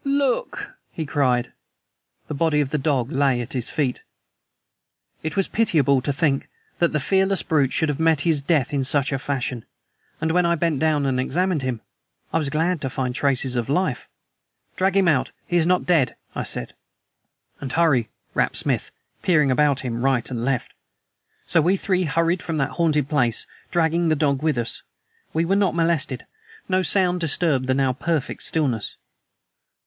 "Look!" he cried. The body of the dog lay at his feet. It was pitiable to think that the fearless brute should have met his death in such a fashion, and when I bent and examined him I was glad to find traces of life. "Drag him out. He is not dead," I said. "And hurry," rapped Smith, peering about him right and left. So we three hurried from that haunted place, dragging the dog with us. We were not molested. No sound disturbed the now perfect stillness.